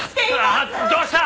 どうした！？